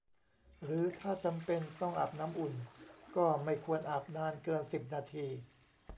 หรือถ้าจำเป็นต้องอาบน้ำอุ่นก็ไม่ควรอาบนานเกิน สิบ นาที